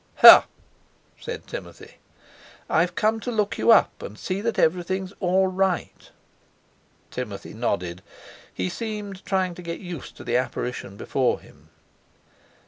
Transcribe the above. "Ha!" said Timothy. "I've come to look you up and see that everything's all right." Timothy nodded. He seemed trying to get used to the apparition before him.